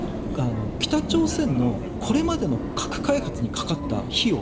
北朝鮮のこれまでの核開発にかかった費用。